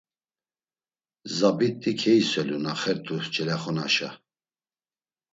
Zabit̆i keiselu na xert̆u celaxunaşa.